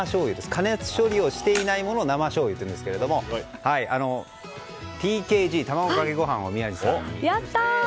加熱処理をしていないものをなましょうゆというんですがＴＫＧ、卵かけご飯をやったー！